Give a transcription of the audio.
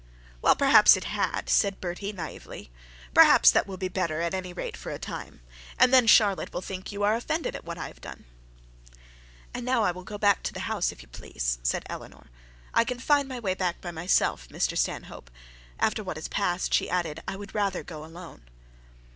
'Well, perhaps it had,' said Bertie naively; 'perhaps that will be better, at any rate for a time; and then Charlotte will think you are offended at what I have done.' 'And now I will go back to the house, if you please,' said Eleanor. 'I can find my way by myself, Mr Stanhope: after what has passed,' she added, 'I would rather go alone.'